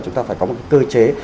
chúng ta phải có một cơ chế